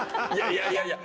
いやいやいや。